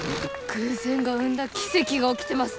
偶然が生んだ奇跡が起きてます